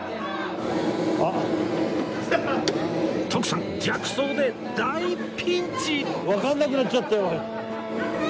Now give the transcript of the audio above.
徳さん逆走で大ピンチ！